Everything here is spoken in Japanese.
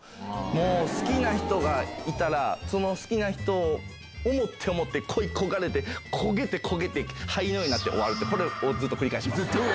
もう好きな人がいたら、その好きな人を思って思って、恋焦がれて、焦げて焦げて、灰のようになって終わるって、これをずっと繰り返します。